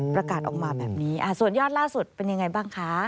ประกาศออกมาแบบนี้ส่วนยอดล่าสุดเป็นยังไงบ้างคะ